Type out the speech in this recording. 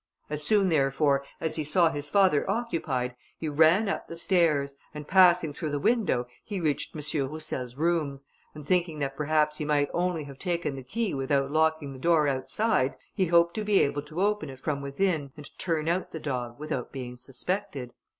As soon, therefore, as he saw his father occupied, he ran up the stairs, and passing through the window, he reached M. Roussel's rooms, and thinking that perhaps he might only have taken the key without locking the door outside, he hoped to be able to open it from within and turn out the dog, without being suspected.